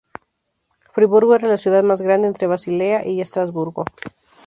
Friburgo era la ciudad más grande entre Basilea y Estrasburgo.